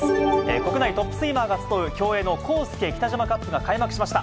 国内トップスイマーが集う競泳のコースケ・キタジマカップが開幕しました。